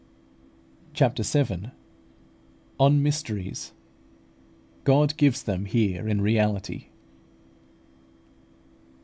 CHAPTER VII. ON MYSTERIES GOD GIVES THEM HERE IN REALITY.